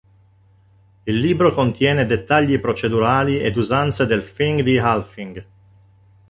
Il libro contiene dettagli procedurali ed usanze del thing di Althing.